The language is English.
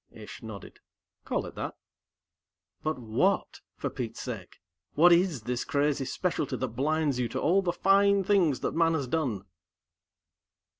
Ish nodded. "Call it that." "But what, for Pete's sake? What is this crazy specialty that blinds you to all the fine things that man has done?"